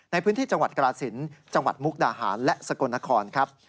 ในพื้นที่จังหวัดกราศิลป์จังหวัดมุกดาหารและสกลนครครับ